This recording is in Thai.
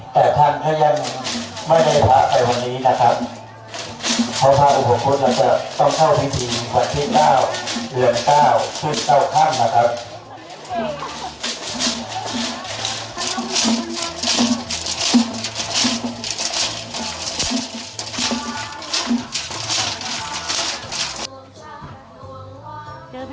แต่ท่านก็ยังไม่ได้พักไปวันนี้นะครับเพราะว่าอีก๖คนจะต้องเข้าพิธีวันที่๙เหลือง๙ขึ้นเก้าข้างนะครับ